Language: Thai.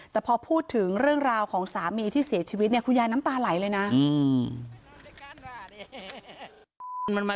แต่พอพูดถึงเรื่องราวของสามีที่เสียชีวิตเนี่ยคุณยายน้ำตาไหลเลยนะ